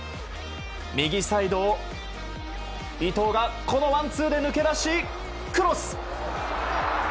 右サイドを伊東がこのワンツーで抜け出しクロス！